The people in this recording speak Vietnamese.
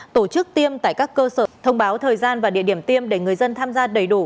tổ chức tiêm tại các cơ sở thông báo thời gian và địa điểm tiêm để người dân tham gia đầy đủ